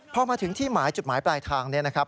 พอมาถึงที่หมายจุดหมายปลายทางนี้นะครับ